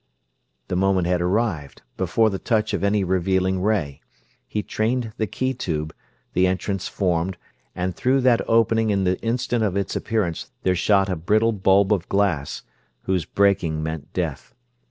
The moment had arrived, before the touch of any revealing ray. He trained the key tube, the entrance opened, and through that opening in the instant of its appearance there shot a brittle bulb of glass, whose breaking meant death.